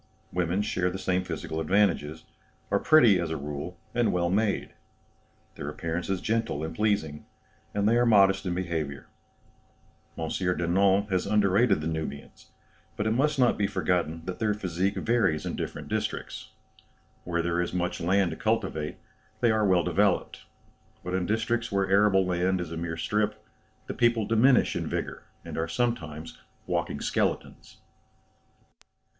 Women share the same physical advantages, are pretty as a rule, and well made; their appearance is gentle and pleasing, and they are modest in behaviour. M. Denon has underrated the Nubians, but it must not be forgotten that their physique varies in different districts. Where there is much land to cultivate, they are well developed; but in districts where arable land is a mere strip, the people diminish in vigour, and are sometimes walking skeletons."